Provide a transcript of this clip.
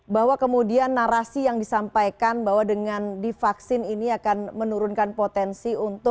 bahwa kemudian narasi yang disampaikan bahwa dengan divaksin ini akan menurunkan potensi untuk